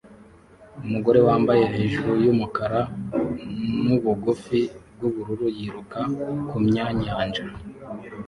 Umugore wambaye hejuru yumukara nubugufi bwubururu yiruka kumyanyanja